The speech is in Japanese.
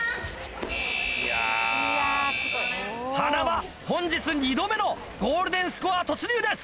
塙本日２度目のゴールデンスコア突入です。